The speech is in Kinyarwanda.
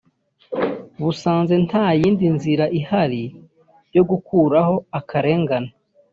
busanze nta yindi nzira ihari yo gukuraho akarengane